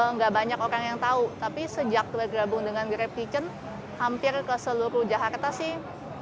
nggak banyak orang yang tahu tapi sejak bergabung dengan grab pitchen hampir ke seluruh jakarta sih